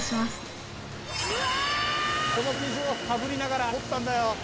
この水をかぶりながら掘ったんだよ。